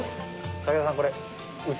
武田さんこれ。